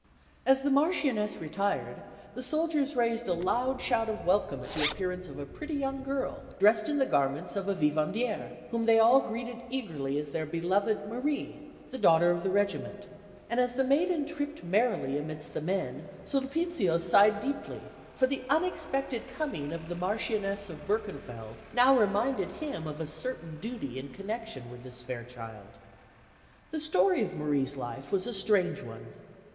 As the Marchioness retired, the soldiers raised a loud shout of welcome at the appearance of a pretty young girl, dressed in the garments of a vivandière, whom they all greeted eagerly as their beloved Marie, the Daughter of the Regiment; and as the maiden tripped merrily amidst the men, Sulpizio sighed deeply, for the unexpected coming of the Marchioness of Berkenfeld now reminded him of a certain duty in connection with this fair child. The story of Marie's life was a strange one.